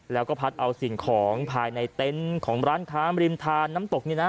แล้วก็พัดเอาสิ่งของภายในเต็นต์ของร้านค้ามริมทานน้ำตกนี่นะ